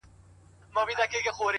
و خوږ زړگي ته مي.